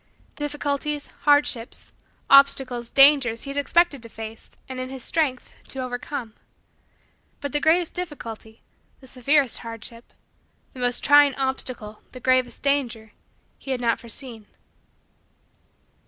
Difficulties, hardships, obstacles, dangers, he had expected to face, and, in his strength, to overcome. But the greatest difficulty, the severest hardship, the most trying obstacle, the gravest danger, he had not foreseen.